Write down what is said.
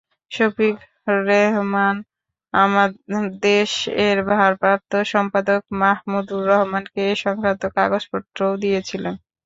শফিক রেহমান আমার দেশ-এর ভারপ্রাপ্ত সম্পাদক মাহমুদুর রহমানকে এ-সংক্রান্ত কাগজপত্রও দিয়েছিলেন।